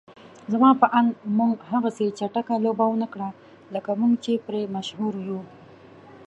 زما په اند موږ هغسې چټکه لوبه ونکړه لکه موږ چې پرې مشهور يو.